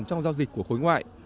trong giao dịch của khối ngoại